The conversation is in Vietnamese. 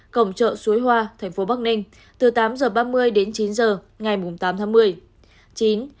cổng chợ suối hoa thành phố bắc ninh từ tám h ba mươi đến chín h ngày tám tháng một mươi